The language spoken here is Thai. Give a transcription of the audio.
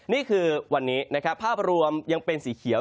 นี่คือวันนี้นะครับภาพรวมยังเป็นสีเขียว